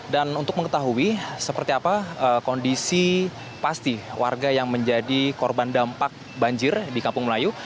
dan untuk mengetahui seperti apa kondisi pasti warga yang menjadi korban dampak banjir di kampung melayu